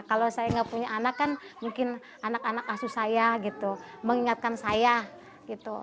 kalau saya nggak punya anak kan mungkin anak anak asuh saya gitu mengingatkan saya gitu